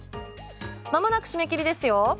まもなく締め切りですよ。